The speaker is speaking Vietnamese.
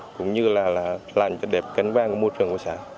cũng như là làm cho đẹp cánh vang của môi trường của xã